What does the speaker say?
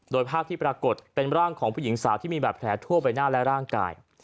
โดยภาพที่ปรากฏเป็นร่างของผู้หญิงสาวที่มีบาดแผลทั่วไปหน้าและร่างกาย